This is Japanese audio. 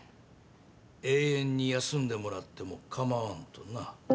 永遠に休んでもらっても構わんとな。